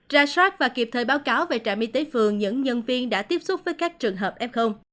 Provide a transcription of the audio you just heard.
ra soát và kịp thời báo cáo về trạm y tế phường những nhân viên đã tiếp xúc với các trường hợp f